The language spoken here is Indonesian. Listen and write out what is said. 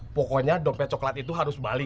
pokoknya dompet coklat itu harus balik